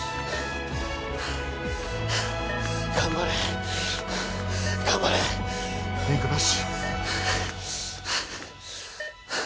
頑張れ頑張れ変化なし